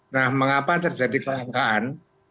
nah mengapa terjadi kelangkaan